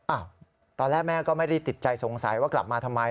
ตอนแรกแม่ก็ไม่ได้ติดใจสงสัยว่ากลับมาทำไม